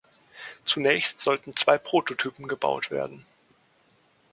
Zunächst sollten zwei Prototypen gebaut werden.